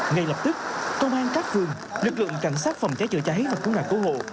ngay lập tức công an các phương lực lượng cảnh sát phòng cháy chữa cháy và cung đoàn cố hộ